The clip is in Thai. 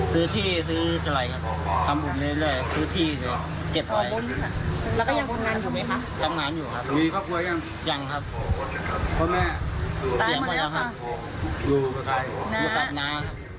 พ่อแม่ตายมาแล้วครับลูกกับนา